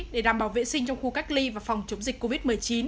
để đảm bảo vệ sinh trong khu cách ly và phòng chống dịch covid một mươi chín